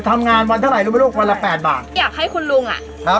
วันเท่าไรรู้ไหมลูกวันละแปดบาทอยากให้คุณลุงอ่ะครับ